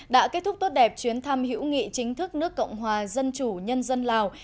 đã kết thúc tốt đẹp chuyến thăm hữu nghị chính thức nước cộng hòa dân chủ nhân dân lào